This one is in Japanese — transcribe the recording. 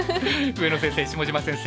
上野先生下島先生